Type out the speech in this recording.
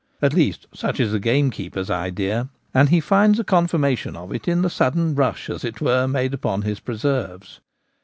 At least, such is the gamekeeper's idea, and he finds a confirmation of it in the sudden rush, as it were, made upon his preserves.